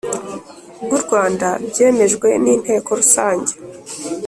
Bw u rwanda byemejwe n inteko rusange